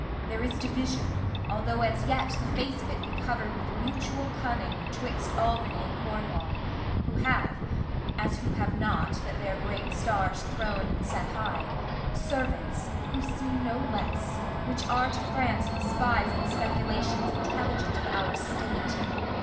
There is division (Although as yet the face of it be cover'd With mutual cunning) 'twixt Albany and Cornwall; Who have (as who have not, that their great stars Thron'd and set high?) servants, who seem no less, Which are to France the spies and speculations Intelligent of our state.